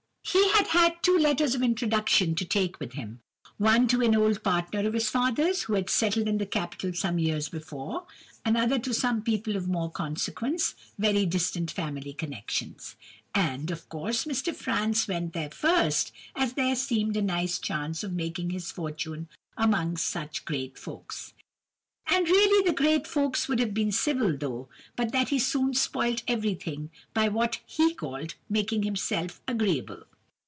"He had had two letters of introduction to take with him: one to an old partner of his father's, who had settled in the capital some years before; another to some people of more consequence, very distant family connections. And, of course, Mr. Franz went there first, as there seemed a nice chance of making his fortune among such great folks. "And really the great folks would have been civil enough, but that he soon spoilt everything by what he called 'making himself agreeable.